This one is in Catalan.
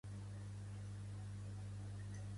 L'Angel noqueja la Buffy en fred.